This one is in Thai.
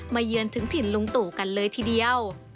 เยือนถึงถิ่นลุงตู่กันเลยทีเดียว